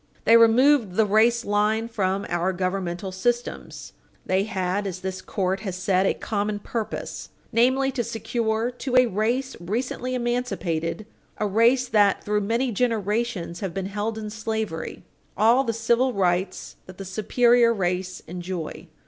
They removed the race line from our governmental systems. They had, as this court has said, a common purpose, namely to secure "to a race recently emancipated, a race that through Page 163 U. S. 556 many generations have been held in slavery, all the civil rights that the superior race enjoy."